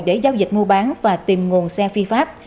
để giao dịch mua bán và tìm nguồn xe phi pháp